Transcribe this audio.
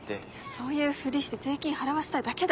そういうふりして税金払わせたいだけだよ。